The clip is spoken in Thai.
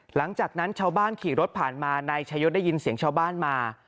หลังจากนั้นชาวบ้านขี่รถผ่านมานายชายศได้ยินเสียงชาวบ้านมา